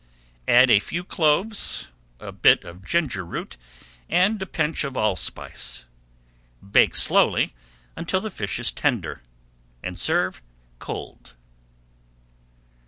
Add a few cloves, a bit of ginger root, and a pinch of allspice. Bake slowly until the fish is tender and serve cold.